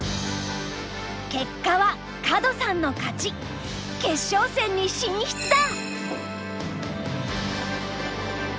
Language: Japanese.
結果は角さんの勝ち決勝戦に進出だ！